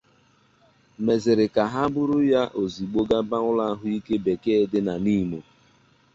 mezịrị ka ha búrú ya ozigbo gaba ụlọ ahụike Beke dị na Nimo